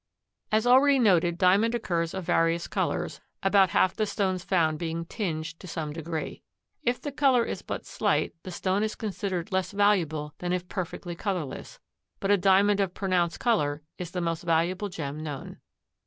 As already noted, Diamond occurs of various colors, about half the stones found being tinged to some degree. If the color is but slight, the stone is considered less valuable than if perfectly colorless, but a Diamond of pronounced color is the most valuable gem known.